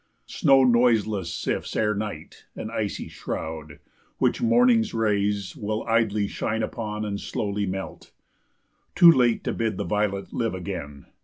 Snow noiseless sifts Ere night, an icy shroud, which morning's rays Willidly shine upon and slowly melt, Too late to bid the violet live again.